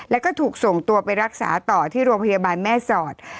แล้วก็ถูกส่งตัวไปรักษาต่อที่โรงพยาบาลแม่สอด